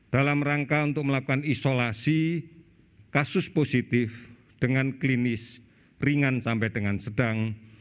dalam rangka untuk melakukan isolasi kasus positif dengan klinis ringan sampai dengan sedang